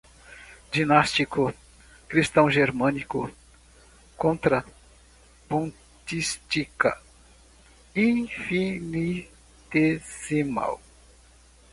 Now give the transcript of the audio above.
Dinástico, cristão-germânico, contrapontística, infinitesimal